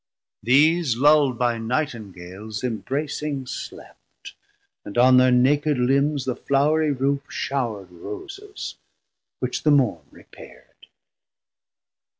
770 These lulld by Nightingales imbraceing slept, And on thir naked limbs the flourie roof Showrd Roses, which the Morn repair'd.